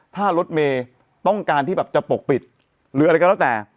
ถ้ารถเมย์ต้องการที่แบบจะปกปิดหรืออะไรก็แล้วแต่